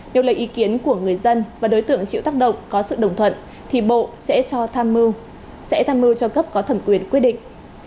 nếu lời ý kiến của người dân và đối tượng chịu tác động có sự đồng thuận thì bộ sẽ tham mưu cho cấp có thẩm quyền quyết định